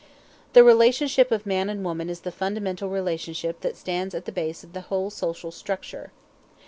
The relationship of man and woman is the fundamental relationship that stands at the base of the whole social structure.